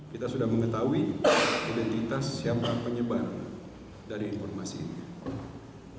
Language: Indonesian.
kita sudah mengetahui identitas siapa penyebar dari informasi ini